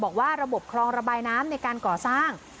บอกว่าระบบคลองระบายน้ำในการก่อสร้าง